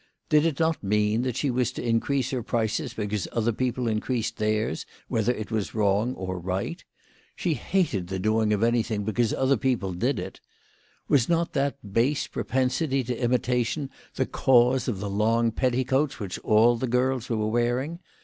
Did it not mean that she was to increase her prices because other people increased theirs, whether it was wrong or right ? She hated the doing of anything because other people did it. Was not that base propensity to imitation the cause of the long petticoats which all the girls were wearing